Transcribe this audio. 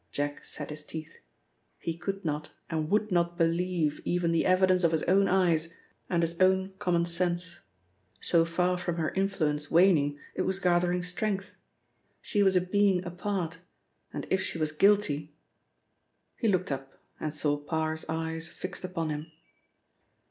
Jack set his teeth; he could not, and would not believe even the evidence of his own eyes, and his own common sense. So far from her influence waning, it was gathering strength. She was a being apart, and if she was guilty He looked up, and saw Parr's eyes fixed upon him.